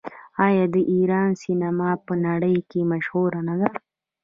آیا د ایران سینما په نړۍ کې مشهوره نه ده؟